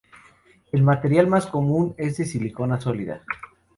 El material más común es de silicona sólida.